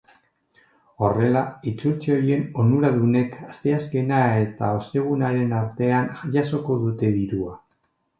Horrela, itzultze horien onuradunek asteazkena eta ostegunaren artean jasoko dute dirua.